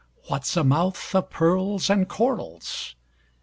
What 's a mouth of pearls and corals?